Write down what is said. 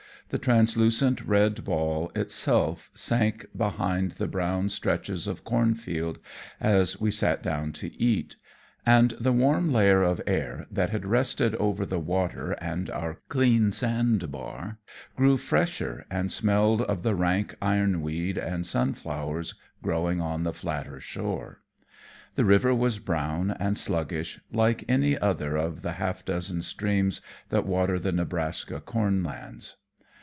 The translucent red ball itself sank behind the brown stretches of corn field as we sat down to eat, and the warm layer of air that had rested over the water and our clean sand bar grew fresher and smelled of the rank ironweed and sunflowers growing on the flatter shore. The river was brown and sluggish, like any other of the half dozen streams that water the Nebraska corn lands.